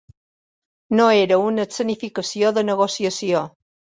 No era una escenificació de negociació.